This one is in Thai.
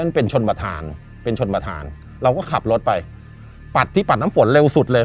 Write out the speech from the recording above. เป็นชนประธานเป็นชนประธานเราก็ขับรถไปปัดที่ปัดน้ำฝนเร็วสุดเลย